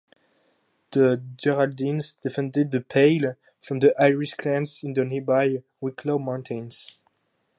The Geraldines defended the Pale from the Irish clans in the nearby Wicklow Mountains.